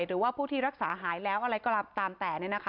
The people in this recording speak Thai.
หรือว่าผู้ที่รักษาหายแล้วอะไรก็ตามแต่